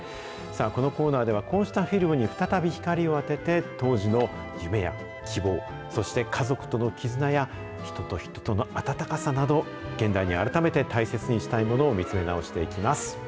さあ、このコーナーでは、こうしたフィルムに再び光を当てて、当時の夢や希望、そして家族との絆や、人と人とのあたたかさなど、現代に改めて大切にしたいものを見つめ直していきます。